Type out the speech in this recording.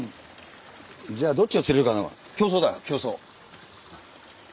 じゃあどっちが釣れるかの競争だ競争。